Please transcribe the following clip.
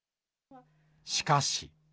しかし。